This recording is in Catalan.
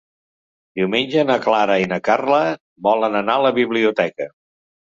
Diumenge na Clara i na Carla volen anar a la biblioteca.